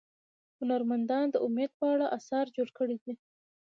هنرمندانو د امید په اړه اثار جوړ کړي دي.